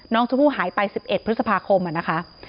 น้องชมพู่หายไป๑๑พฤษภาคมอ่ะนะคะ